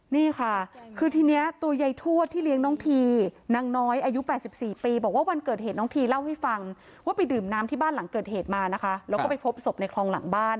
นี่ค่ะคือทีนี้ตัวยายทวดที่เลี้ยงน้องทีนางน้อยอายุ๘๔ปีบอกว่าวันเกิดเหตุน้องทีเล่าให้ฟังว่าไปดื่มน้ำที่บ้านหลังเกิดเหตุมานะคะแล้วก็ไปพบศพในคลองหลังบ้าน